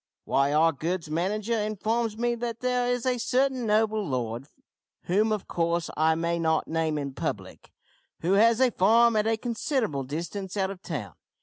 "Why, our goods manager informs me that there is a certain noble lord, whom of course I may not name in public, who has a farm at a considerable distance out of town.